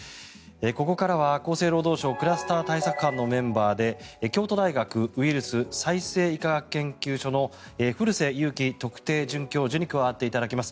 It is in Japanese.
ここからは厚生労働省クラスター対策班のメンバーで京都大学ウイルス再生医科学研究所の古瀬祐気特定准教授に加わっていただきます。